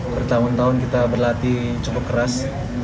bertahun tahun kita berlatih cukup keras